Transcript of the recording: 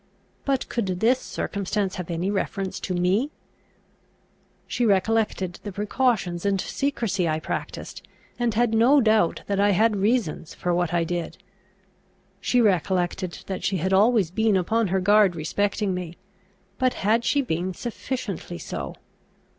But could this circumstance have any reference to me? She recollected the precautions and secrecy I practised, and had no doubt that I had reasons for what I did. She recollected that she had always been upon her guard respecting me; but had she been sufficiently so?